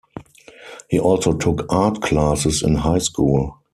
He also took art classes in high school.